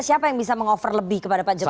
siapa yang bisa meng offer lebih kepada pak jokowi